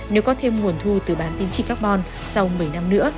nếu có thêm nguồn thu từ bán tiến trị carbon sau một mươi năm nữa